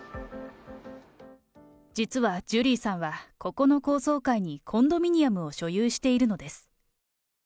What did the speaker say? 実はジュリーさんはここの高層階にコンドミニアムを所有しているのです。